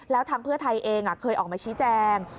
แล้วทางเพื่อไทยเองเคยออกมาชี้แจง